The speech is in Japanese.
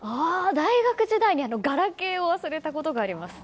大学時代にガラケーを忘れたことがあります。